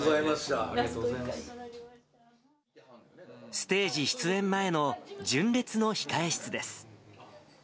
ステージ出演前の純烈の控え室です。